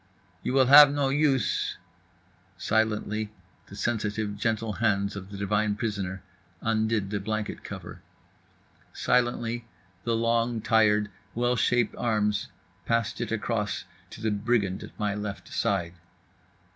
"You will have no use…." Silently the sensitive, gentle hands of the divine prisoner undid the blanket cover. Silently the long, tired, well shaped arms passed it across to the brigand at my left side.